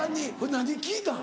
何聞いたん？